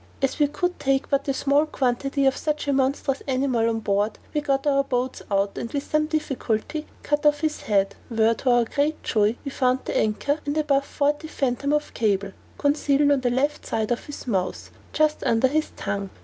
As we could take but a small quantity of such a monstrous animal on board, we got our boats out, and with much difficulty cut off his head, where, to our great joy, we found the anchor, and above forty fathom of the cable, concealed on the left side of his mouth, just under his tongue.